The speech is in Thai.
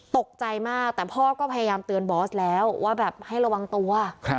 ตกใจมากแต่พ่อก็พยายามเตือนบอสแล้วว่าแบบให้ระวังตัว